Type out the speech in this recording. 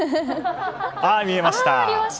ああ、見えました。